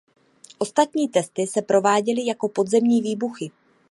Ostatní testy se prováděly jako podzemní výbuchy.